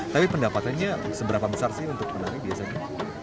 tapi pendapatannya seberapa besar sih untuk penari biasanya